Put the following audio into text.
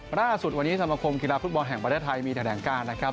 หน้าสุดสมัครคมกีฬาฟุตบอลแฮงประเทศไทยมีแถ่งการนะครับ